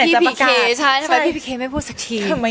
นี่รู้สึกว่าหายใจไม่ออกหายใจไม่ทั่วท้องเลย